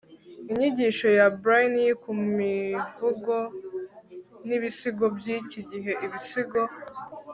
inyigisho ya blaney ku mivugo n'ibisigo by'iki gihe; ibisigo